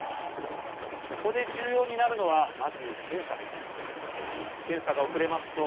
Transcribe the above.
そこで重要になるのはまず検査です。